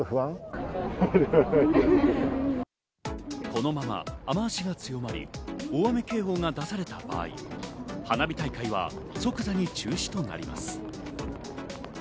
このまま雨足が強まり、大雨警報が出された場合、花火大会は即座に中止となります。